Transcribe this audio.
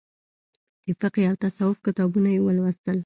د فقهي او تصوف کتابونه یې ولوستل.